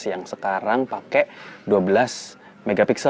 yang sekarang pakai dua belas mp